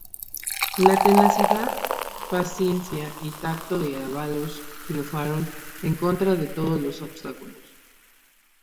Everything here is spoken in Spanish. La tenacidad, paciencia y tacto de Ávalos triunfaron en contra de todos los obstáculos.